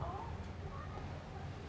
mereka terpaksa menaikan harga jual